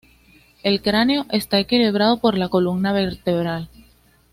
El cráneo está equilibrado por la columna vertebral.